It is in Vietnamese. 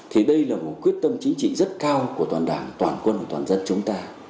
thì đây là một quyết tâm chính trị rất cao của toàn đảng toàn quân và toàn dân chúng ta